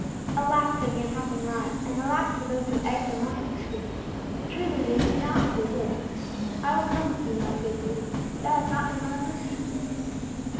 "Alack for the unhappy lads; and alack for those who egged them on," said the priest. "Truly they knew not what they did. I will come with thee, my good youth. Thou hast not been one of them?"